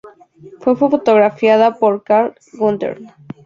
Fue fotografiada por Carl Gunther.